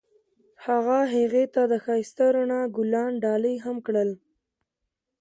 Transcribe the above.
هغه هغې ته د ښایسته رڼا ګلان ډالۍ هم کړل.